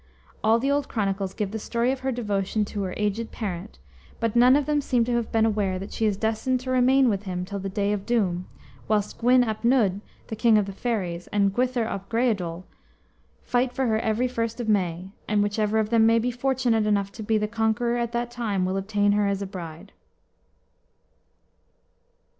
All the old chronicles give the story of her devotion to her aged parent, but none of them seem to have been aware that she is destined to remain with him till the day of doom, whilst Gwyn ap Nudd, the king of the fairies, and Gwythyr op Greidiol, fight for her every first of May, and whichever of them may be fortunate enough to be the conqueror at that time will obtain her as a bride.